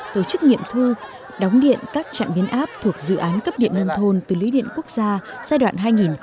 tổ chức nghiệm thư đóng điện các trạm biến áp thuộc dự án cấp điện ngân thôn từ lưỡi điện quốc gia giai đoạn hai nghìn một mươi sáu hai nghìn ba mươi